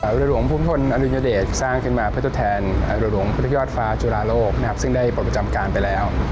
หลวงภูมิทนทนอรุณเยอเดชสร้างขึ้นมาเพื่อตัวแทนหลวงพฤติยอดฟ้าจุฬาโลกนะครับซึ่งได้ปรบประจำการไปแล้ว